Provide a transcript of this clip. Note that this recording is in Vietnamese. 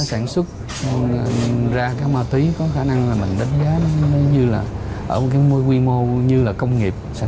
sản xuất ra cái ma túy có khả năng là mình đánh giá nó như là ở một cái quy mô như là công nghiệp sản